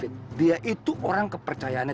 jadi apaan anh